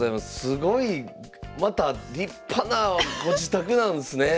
すごいまた立派なご自宅なんですねえ！